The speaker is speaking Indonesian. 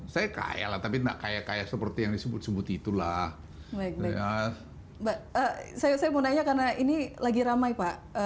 saya kaya tapi maka kayak seperti yang disebut sebut itulah saya saya mengerti karena ini lagi ramai pak